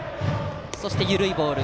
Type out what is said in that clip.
そして緩いボール。